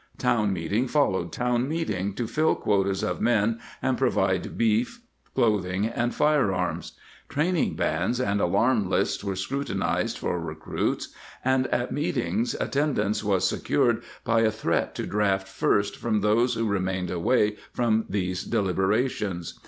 Town meeting followed town meeting to fill quotas of men and provide beef, clothing, and fire arms. Training bands and alarm lists were scrutinized for recruits, and at meetings attendance was se cured by a threat to draft first from those who re mained away from these deliberations.